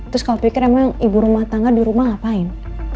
terus kau pikir emang ibu rumah tangga di rumah ngapain